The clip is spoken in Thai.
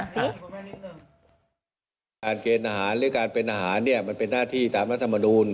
การเกณฑ์อาหารหรือการเป็นอาหารมันเป็นหน้าที่ตามรัฐมนูล